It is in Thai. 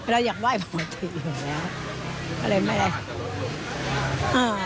เราอยากไหว้ประมาณที่อยู่แล้ว